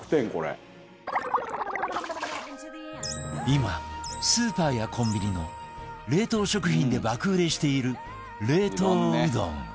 今スーパーやコンビニの冷凍食品で爆売れしている冷凍うどん